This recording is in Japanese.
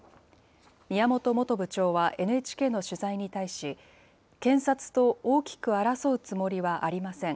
宮本元部長はＮＨＫの取材に対し、検察と大きく争うつもりはありません。